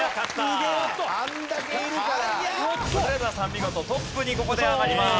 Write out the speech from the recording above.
見事トップにここで上がります。